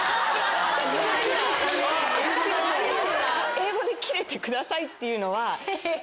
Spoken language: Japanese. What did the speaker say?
英語でキレてくださいっていうのは。